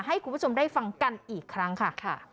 ให้คุณผู้ชมได้ฟังกันอีกครั้งค่ะ